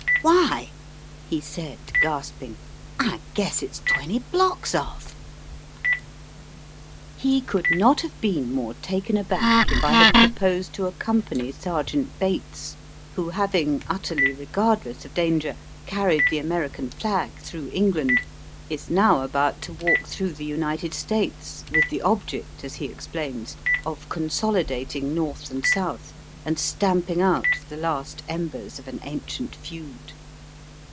Digitized by VjOOQIC 24 EAST BY WEST. "Why," he said, gasping, "I guess it's twenty blocks ofif !" He could not have been more taken aback if I had proposed to accompany Sergeant Bates, who having, utterly regardless of danger, carried the American flag through England, is now about to walk through the United States with the object, as he explains, of consolidating North and South, and stamp ing out the last embers of an ancient feud.